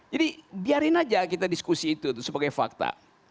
jadi biarkan saja kita diskusi itu sebagai fakta